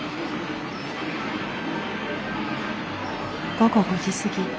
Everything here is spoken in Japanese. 午後５時過ぎ。